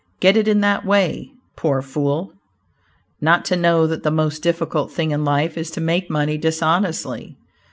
Get it in that way." Poor fool! Not to know that the most difficult thing in life is to make money dishonestly!